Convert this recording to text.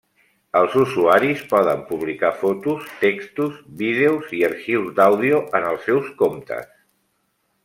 Els usuaris poden publicar fotos, textos, vídeos i arxius d'àudio en els seus comptes.